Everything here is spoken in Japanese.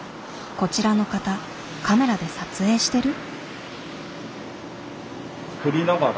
こちらの方カメラで撮影してる？